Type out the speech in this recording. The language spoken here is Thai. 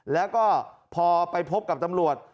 แล้วก็พอไปพบกับตำรวจ